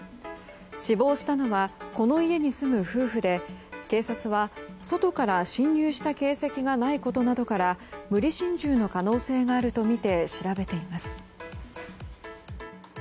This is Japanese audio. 死亡したのはこの家に住む夫婦で警察は、外から侵入した形跡がないことなどから無理心中の可能性があるとみて調べています。